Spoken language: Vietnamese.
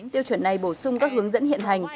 tiêu chuẩn này bổ sung các hướng dẫn hiện hành